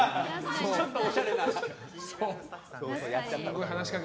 ちょっとおしゃれな方とかね。